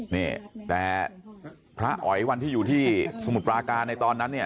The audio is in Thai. นี่แต่พระอ๋อยวันที่อยู่ที่สมุทรปราการในตอนนั้นเนี่ย